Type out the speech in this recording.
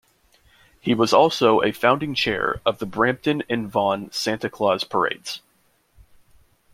He was also a founding chair of the Brampton and Vaughan Santa Claus Parades.